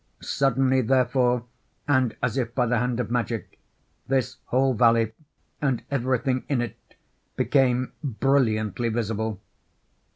Suddenly, therefore—and as if by the hand of magic—this whole valley and every thing in it became brilliantly visible.